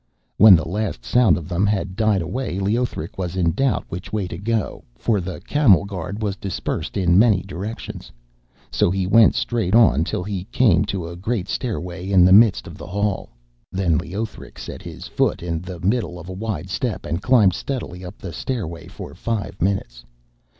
When the last sound of them had died away, Leothric was in doubt which way to go, for the camel guard was dispersed in many directions, so he went straight on till he came to a great stairway in the midst of the hall. Then Leothric set his foot in the middle of a wide step, and climbed steadily up the stairway for five minutes.